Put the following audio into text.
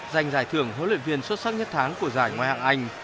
giành giải thưởng hỗ lực viên xuất sắc nhất tháng của giải ngoài hạng anh